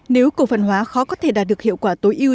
nếu cổ phần hóa khó có thể đạt được hiệu quả tối ưu